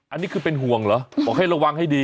อันนี้คือเป็นห่วงเหรอบอกให้ระวังให้ดี